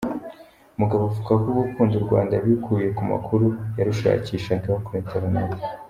Mugabo avuga ko gukunda u Rwanda yabikuye ku makuru yarushakishagaho kuri interineti.